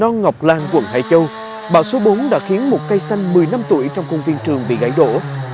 do ngọc lan quận hải châu bão số bốn đã khiến một cây xanh một mươi năm tuổi trong công viên trường bị gãy đổ